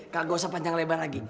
gak usah panjang lebar lagi